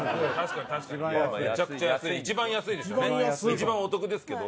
一番お得ですけど。